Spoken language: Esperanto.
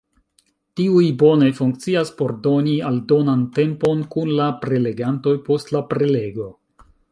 Tiuj bone funkcias por doni aldonan tempon kun la prelegantoj post la prelego.